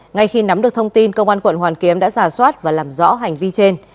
ngay khi nắm được thông tin công an quận hoàn kiếm đã giả soát và làm rõ hành vi trên